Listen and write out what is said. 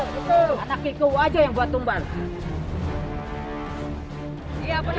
ya benar anak kikwu saja yang buat tumbal